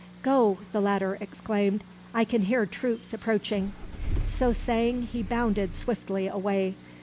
"Go," the latter exclaimed. "I can hear troops approaching." So saying, he bounded swiftly away.